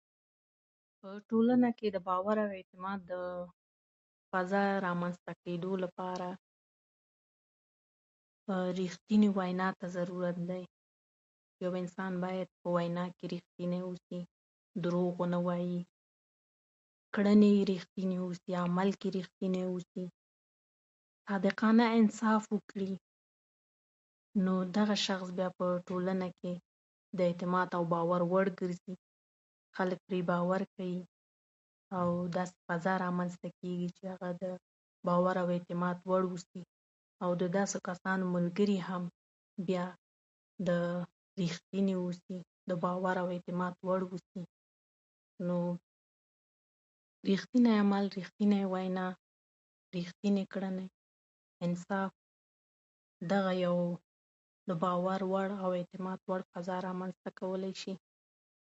په ټولنه کې د باور او اعتماد د رامنځته کیدو لپاره یوې رښتني وینا ته ضرورت دی یو انسان باید په وينا کې ریښتنی اوسي دورغ و نه وایې کړنې یې ریښتني اوسي عمل کې ریښتنی اوسي حداقل انصاف وکړي نو دغه شان انسان بیا د اعتماد او باور وړ کرځي خلک بري باور کوي او داسي فضا رامنځته کوي د خلکو د باور او اعتماد وړ اوسي او د داسي کسانو ملګري بیا هم ريښتني د باور او اعتماد وړ وي نو ریښتنی عمل ریښتني وینا ریښتني کړنه انصاف دغه یو د باور وړ او اعتماد وړ فضا رامنځته کولای شي